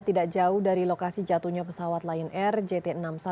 tidak jauh dari lokasi jatuhnya pesawat lion air jt enam ratus sepuluh